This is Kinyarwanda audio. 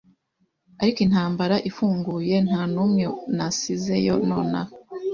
Ariko intambara ifunguye ntanumwe nasizeyo nonaha